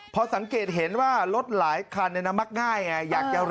เพราะสังเกตเห็นว่ารถหลายคันในน้ำมักง่าย